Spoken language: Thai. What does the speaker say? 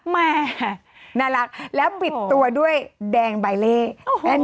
แม่น่ารักแล้วตัวด้วยแดงใบเบอร์